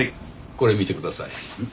これ見てください。